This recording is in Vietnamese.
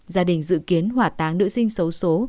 gia đình dự kiến hỏa táng nữ sinh xấu số